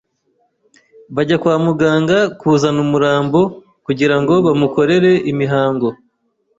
bajya kwa muganga kuzana umurambo kugirango bamukorere imihango